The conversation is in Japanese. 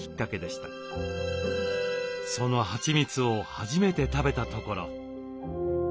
そのはちみつを初めて食べたところ。